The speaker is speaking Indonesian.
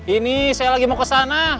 ini saya lagi mau kesana